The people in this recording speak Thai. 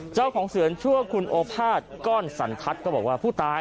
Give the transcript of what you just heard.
เจ้าของเสือนชั่วคุณโอพาชก้อนศัลภัษฐ์พูดตาย